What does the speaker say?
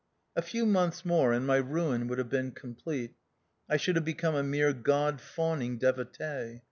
A few months more and my ruin would have been complete. I should have become a mere God fawning devotee.